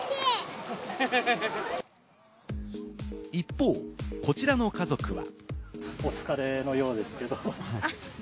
一方、こちらの家族は。